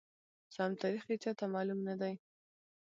سم تاریخ یې چاته معلوم ندی،